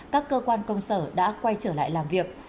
các cơ quan công sở đã quay trở lại làm việc